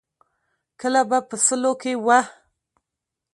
کله به په سلو کې وه.